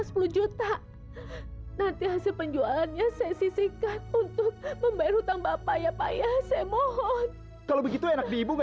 suami saya juga belum pulang